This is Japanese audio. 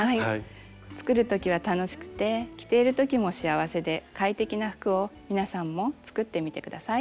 作るときは楽しくて着ているときも幸せで快適な服を皆さんも作ってみて下さい。